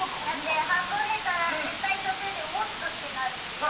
だって運んでたら絶対途中で「おっと」ってなるでしょ